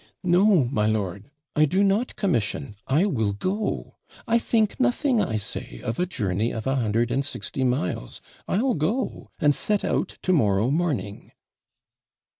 'No, my lord, I do not commission I will go I think nothing, I say, of a journey of a hundred and sixty miles I'll go and set out to morrow morning.'